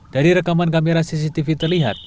dari rekaman kamera cctv terlihat